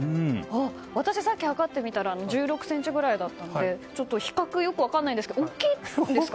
私、さっき測ってみたら１６ｃｍぐらいでしたのでちょっと、比較よく分からないんですけど大きいんですか？